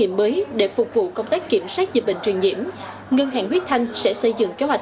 mới để phục vụ công tác kiểm soát dịch bệnh truyền nhiễm ngân hàng huyết thanh sẽ xây dựng kế hoạch